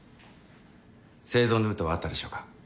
生存ルートはあったでしょうか？